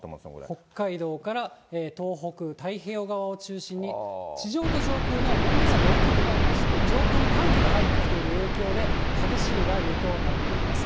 北海道から東北、太平洋側を中心に、地上と上空の温度差が大きくなりまして、上空に寒気が入ってきている影響で、激しい雷雨となっています。